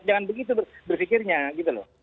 jangan begitu berfikirnya gitu loh